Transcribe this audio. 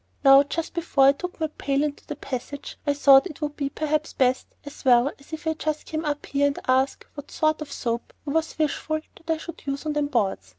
Now, jist before I took my pail into the passage I though it would be pre'aps jest as well if I was to come up 'ere an' ask you what sort of soap you was wishful that I should use on them boards.